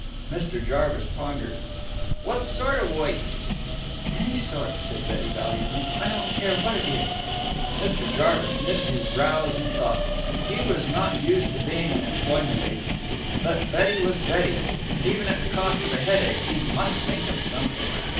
Mr. Jarvis pondered. "What sort of woik?" "Any sort," said Betty valiantly. "I don't care what it is." Mr. Jarvis knitted his brows in thought. He was not used to being an employment agency. But Betty was Betty, and even at the cost of a headache he must think of something.